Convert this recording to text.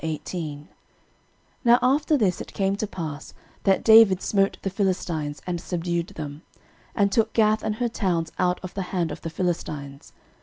13:018:001 Now after this it came to pass, that David smote the Philistines, and subdued them, and took Gath and her towns out of the hand of the Philistines.